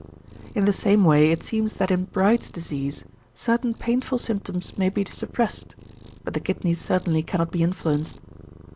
In the same way it seems that in Bright's disease, certain painful symptoms may be suppressed, but the kidneys certainly cannot be influenced.